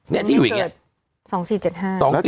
เนี่ยที่อยู่อย่างเงี้ย๒๔๗๕